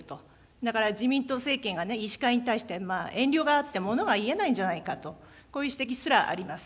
だから自民党政権がね、医師会に対して、遠慮があって物が言えないんじゃないかと、こういう指摘すらあります。